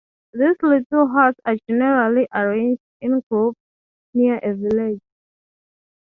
These little huts are generally arranged in groups near a village.